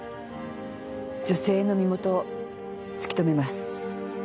女性の身元を突き止めます。